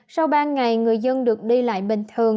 sau ba ngày người dân được đi lại bình thường